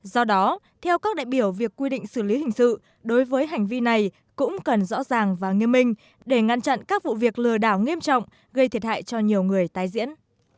do đó theo các đại biểu việc quy định xử lý hình sự đối với hành vi này cũng cần rõ ràng và nghiêm minh để ngăn chặn các vụ việc lừa đảo nghiêm trọng gây thiệt hại cho nhiều người tái diễn